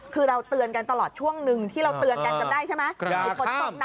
คือเราเตือนกันตลอดช่วงนึงที่เราเตือนกันจำได้ใช่ไหม